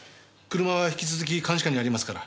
車は引き続き監視下にありますから。